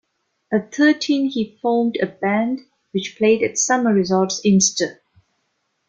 At thirteen he formed a band which played at summer resorts in Ste.